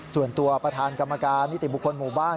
ส่วนตัวประธานกรรมการนิติบุคคลหมู่บ้าน